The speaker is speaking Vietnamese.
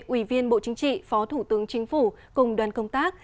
ủy viên bộ chính trị phó thủ tướng chính phủ cùng đoàn công tác